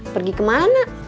pergi ke mana